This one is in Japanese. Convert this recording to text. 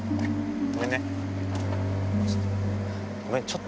ごめんね。